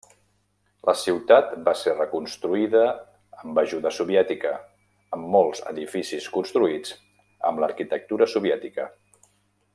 La ciutat va ser reconstruïda amb ajuda soviètica, amb molts edificis construïts amb l'arquitectura soviètica.